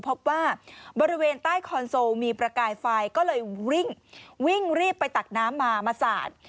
พบว่าบริเวณใต้คอนโซลมีประกายไฟก็เลยวิ่งรีบไปตักน้ำมามาสาด